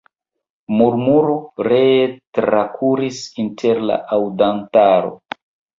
Murmuro ree trakuris inter la aŭdantaro.